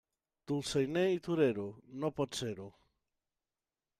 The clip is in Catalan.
Dolçainer i torero, no pots ser-ho.